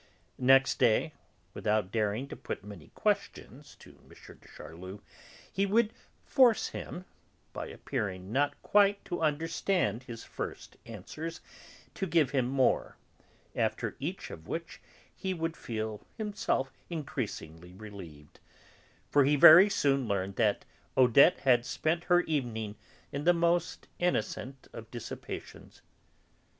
Next day, without daring to put many questions to M. de Charlus, he would force him, by appearing not quite to understand his first answers, to give him more, after each of which he would feel himself increasingly relieved, for he very soon learned that Odette had spent her evening in the most innocent of dissipations.